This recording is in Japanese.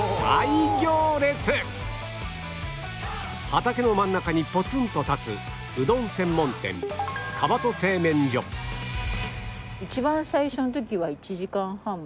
畑の真ん中にポツンと立つうどん専門店一番最初の時は１時間半待ちました。